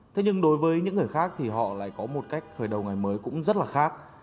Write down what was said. thế nhưng đối với những người khác thì họ lại có một cách khởi đầu ngày mới cũng rất là khác